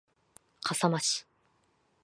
笠間市